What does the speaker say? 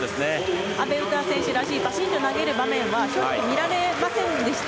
阿部詩選手らしいバシンと投げる場面はちょっと、見られませんでした。